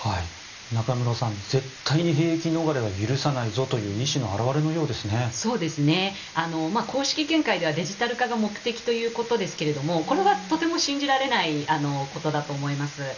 中室さん、絶対に兵役逃れは許さないぞという意思の表れのようですね。公式見解ではデジタル化が目的ということですがこれはとても信じられないことだと思います。